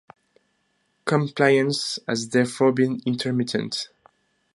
Compliance has therefore been intermittent.